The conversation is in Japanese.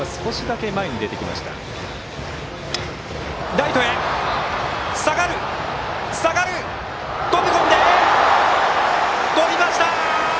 ライト、飛び込んでとりました！